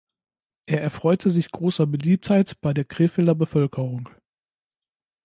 Er erfreute sich großer Beliebtheit bei der Krefelder Bevölkerung.